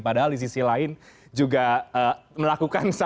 padahal di sisi lain juga melakukan